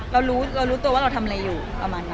เรารู้เรารู้ตัวว่าเราทำอะไรอยู่ประมาณนั้น